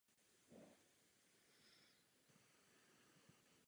Byl to nejprodávanější singl v Norsku.